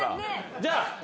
じゃあ。